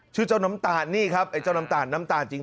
เจ้าน้ำตาลนี่ครับไอ้เจ้าน้ำตาลน้ำตาลจริง